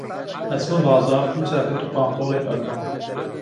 ئەچمە بازاڕ دوو چاکەت و پانتۆڵێک ئەکڕم.